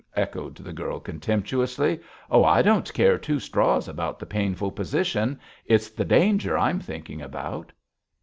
echoed the girl, contemptuously. 'Oh, I don't care two straws about the painful position. It's the danger I'm thinking about.'